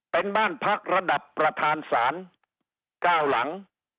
เป็นบ้านพักระดับประธานศาล๙หลัง